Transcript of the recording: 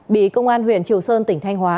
bị công an huyện triều sơn tỉnh thanh hóa